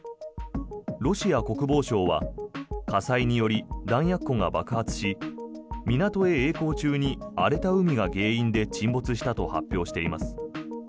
ロシア国防省は火災により弾薬庫が爆発し港へえい航中に荒れた海が原因で沈没したと発表しています。